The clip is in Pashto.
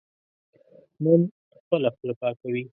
نن خپله خوله پاکوي.